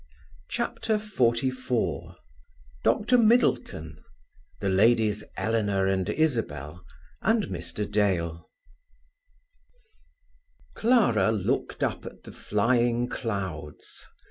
CHAPTER XLIV DR MIDDLETON: THE LADIES ELEANOR AND ISABEL: AND MR. DALE Clara looked up at the flying clouds.